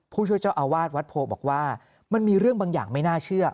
ช่วยเจ้าอาวาสวัดโพบอกว่ามันมีเรื่องบางอย่างไม่น่าเชื่อ